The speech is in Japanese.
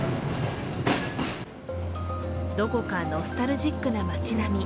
どこかノスタルジックな街並み。